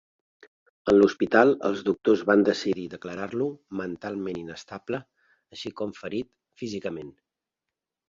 En l'hospital, els doctors van decidir declarar-lo mentalment inestable, així com ferit físicament.